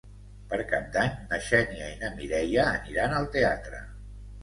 Per Cap d'Any na Xènia i na Mireia aniran al teatre.